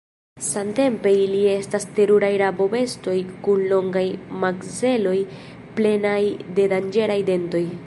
Samtempe ili estas teruraj rabobestoj kun longaj makzeloj plenaj de danĝeraj dentoj.